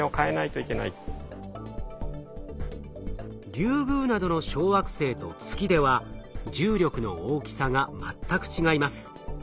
リュウグウなどの小惑星と月では重力の大きさが全く違います。